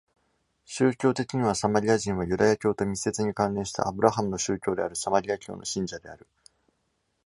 宗教的には、サマリア人はユダヤ教と密接に関連したアブラハムの宗教であるサマリア教の信者である。